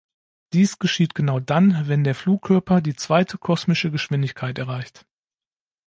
Dies geschieht genau dann, wenn der Flugkörper die zweite kosmische Geschwindigkeit erreicht.